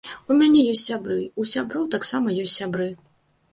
У мяне ёсць сябры, у сяброў таксама ёсць сябры.